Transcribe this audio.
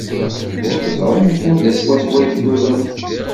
Ur teẓrimt anda swaswa ay tlulemt.